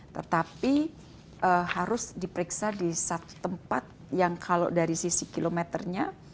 tetapi harus diperiksa di satu tempat yang kalau dari sisi kilometernya